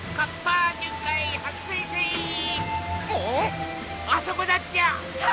あそこだっちゃ！